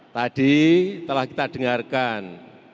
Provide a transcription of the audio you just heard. tadi telah kita dengarkan